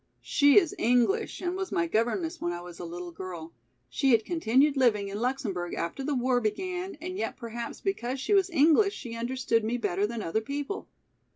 She is English and was my governess when I was a little girl. She had continued living in Luxemburg after the war began, and yet perhaps because she was English she understood me better than other people.